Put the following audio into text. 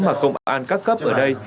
mà công an các cấp ở đây